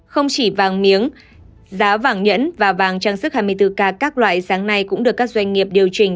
không chỉ vàng miếng giá vàng nhẫn và vàng trang sức hai mươi bốn k các loại sáng nay cũng được các doanh nghiệp điều chỉnh